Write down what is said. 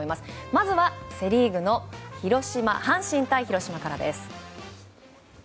まずはセ・リーグの阪神対広島からです。